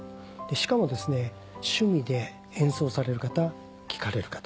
しかも趣味で演奏される方聴かれる方。